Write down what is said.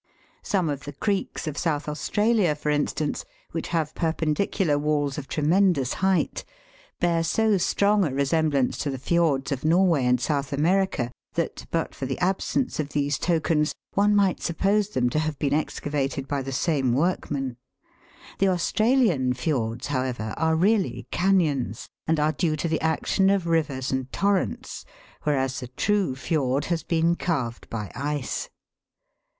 Some of the creeks of South Australia, for instance, which have perpendicular walls of tremendous height, bear so strong a resemblance to the fjords of Norway and South America, that, but for the absence of these tokens, one might suppose them to have been excavated by the same workman. The Australian fjords, however, are really canons, and are due to the action of rivers and torrents, whereas the true fjord has been carved by ice.